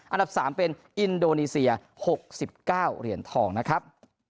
อันดับ๓เป็นอินโดนีเซีย๖๙เหรียญทองนะครับ